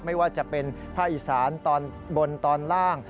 ไม่ว่าจะเป็นภาคอีสานตอนบนตอนล่าง